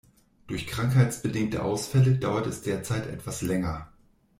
Durch krankheitsbedingte Ausfälle dauert es derzeit etwas länger.